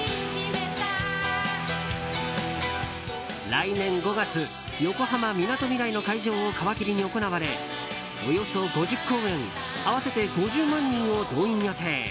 来年５月横浜みなとみらいの会場を皮切りに行われおよそ５０公演合わせて５０万人を動員予定。